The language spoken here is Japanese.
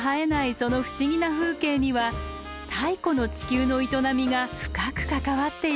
その不思議な風景には太古の地球の営みが深く関わっているんだとか。